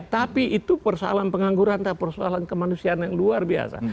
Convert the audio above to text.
tapi itu persoalan pengangguran tapi persoalan kemanusiaan yang luar biasa